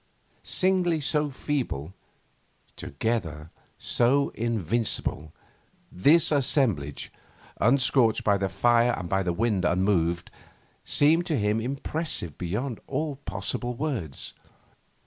Singly so feeble, together so invincible, this assemblage, unscorched by the fire and by the wind unmoved, seemed to him impressive beyond all possible words.